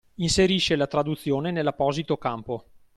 Inserisce la traduzione nell’apposito campo.